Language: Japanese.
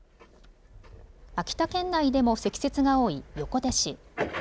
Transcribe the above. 秋田県内でも積雪が多い横手市。